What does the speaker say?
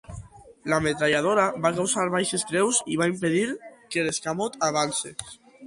La metralladora va causar baixes greus i va impedir que l'escamot avancés.